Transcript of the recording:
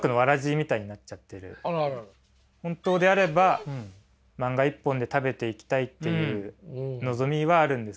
本当であれば漫画一本で食べていきたいっていう望みはあるんですけど。